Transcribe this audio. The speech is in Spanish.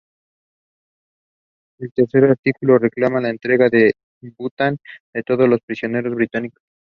El tercer artículo reclama la entrega de Bután de todos los prisioneros británicos.